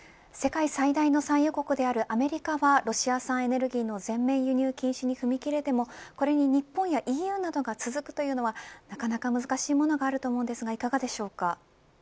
世界最大の産油国であるアメリカはロシア産エネルギーの全面輸入禁止に踏み切れてもこれに日本やＥＵなどが続くというのはなかなか難しいものがあると思いますがいかがですか。